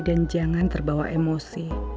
dan jangan terbawa emosi